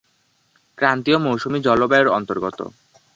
ক্রান্তীয় মৌসুমী জলবায়ুর অন্তর্গত।